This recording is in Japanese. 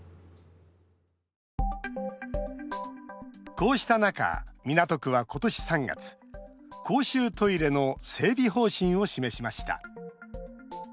こうした中、港区は今年３月、公衆トイレの整備方針を示しました。